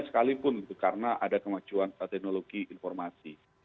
sekalipun karena ada kemajuan teknologi informasi